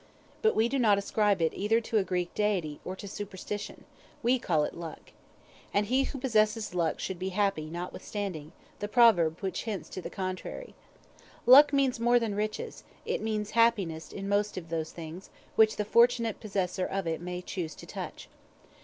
But we do not ascribe it either to Greek deity, or to superstition; we call it luck. And he who possesses luck should be happy notwithstanding the proverb which hints the contrary. Luck means more than riches it means happiness in most of those things, which the fortunate possessor of it may choose to touch.